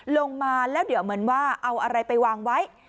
ลงมาแล้วเดี๋ยวเหมือนว่าเอาอะไรไปวางไว้